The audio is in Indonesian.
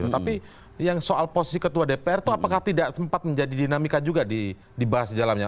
tapi yang soal posisi ketua dpr itu apakah tidak sempat menjadi dinamika juga dibahas di dalamnya